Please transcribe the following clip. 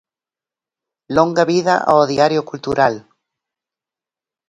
"Longa vida ao Diario Cultural!".